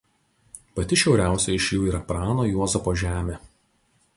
Pati šiauriausia iš jų yra Prano Juozapo Žemė.